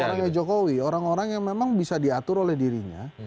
orangnya jokowi orang orang yang memang bisa diatur oleh dirinya